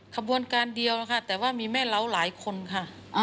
ขบวนการเดียวนะคะแต่ว่ามีแม่เล้าหลายคนค่ะ